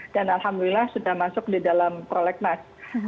dan alhamdulillah sudah masuk di dalam proleks mas